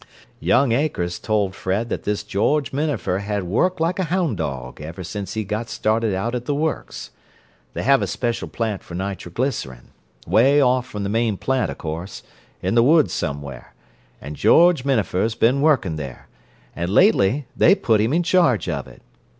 Young Akers told Fred that this George Minafer had worked like a houn' dog ever since he got started out at the works. They have a special plant for nitroglycerin, way off from the main plant, o' course—in the woods somewhere—and George Minafer's been working there, and lately they put him in charge of it.